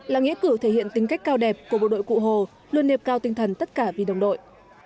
là nghĩa cử thể hiện tính cách cao đẹp của bộ đội cụ hồ luôn đẹp cao tinh thần tất cả vì đồng đội